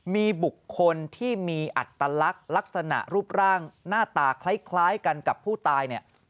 มีบุคคลที่มีอัตลักษณ์ลักษณะรูปร่างหน้าตาคล้ายกันกับผู้ตายเนี่ย